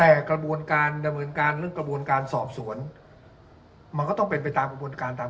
แต่กระบวนการดำเนินการเรื่องกระบวนการสอบสวนมันก็ต้องเป็นไปตามกระบวนการตาม